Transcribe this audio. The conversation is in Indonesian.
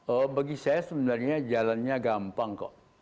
oh bagi saya sebenarnya jalannya gampang kok